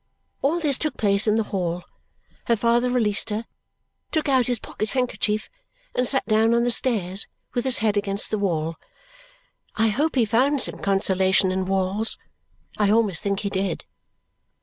All this took place in the hall. Her father released her, took out his pocket handkerchief, and sat down on the stairs with his head against the wall. I hope he found some consolation in walls. I almost think he did.